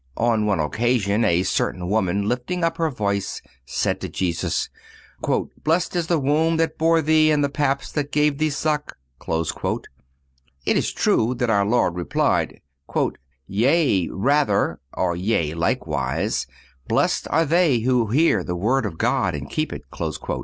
On one occasion a certain woman, lifting up her voice, said to Jesus: "Blessed is the womb that bore thee and the paps that gave thee suck."(249) It is true that our Lord replied: "Yea, rather (or yea, likewise), blessed are they who hear the word of God and keep it."